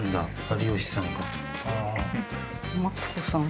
マツコさん